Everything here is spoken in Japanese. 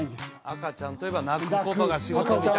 赤ちゃんといえば泣くことが仕事みたいなね